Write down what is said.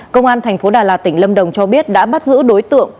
công an tp đà lạt tỉnh lâm đồng cho biết đã bắt giữ đối tượng